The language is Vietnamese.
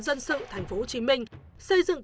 dân sự tp hcm xây dựng